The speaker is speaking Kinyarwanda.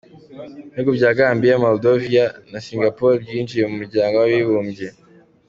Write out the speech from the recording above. Ibihugu bya Gambiya, Moldoviya, na Singapore byinjiye mu muryango w’abibumbye.